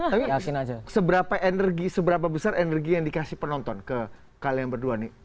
tapi seberapa energi seberapa besar energi yang dikasih penonton ke kalian berdua nih